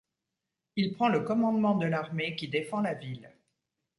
Il prend le commandement de l'armée qui défend la ville.